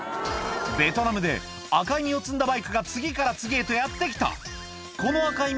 ベトナムで赤い実を積んだバイクが次から次へとやって来た